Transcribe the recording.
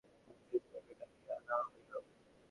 অবশেষে পরেশবাবুকে ডাকিয়া আনা হইল।